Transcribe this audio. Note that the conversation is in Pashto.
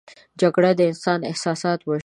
جګړه د انسان احساسات وژني